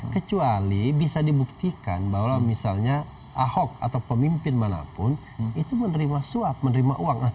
kecuali bisa dibuktikan bahwa misalnya ahok atau pemimpin manapun itu menerima suap menerima uang